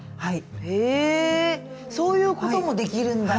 へえそういうこともできるんだ。